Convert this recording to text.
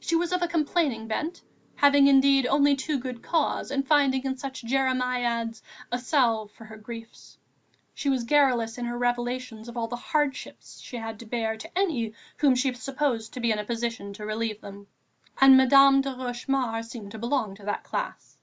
She was of a complaining bent, having indeed only too good cause and finding in such jeremiads a salve for her griefs. She was garrulous in her revelations of all the hardships she had to bear to any whom she supposed in a position to relieve them, and Madame de Rochemaure seemed to belong to that class.